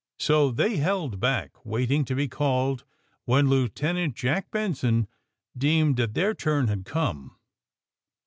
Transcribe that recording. So they held back, waiting to be called when Lieutenant Jack Benson deemed that their turn had come.